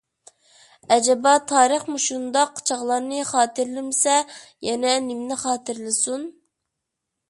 ئەجەبا تارىخ مۇشۇنداق چاغلارنى خاتىرىلىمىسە، يەنە نېمىنى خاتىرىلىسۇن!